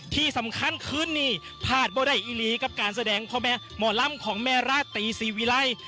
ที่สำคัญคืนนี้พลาดบ่ได้อิลีกับการแสดงพ่อแม่หมอลำของแม่ราตรีศรีวิรัย